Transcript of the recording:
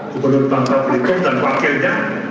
gubernur bangka belitung dan wakilnya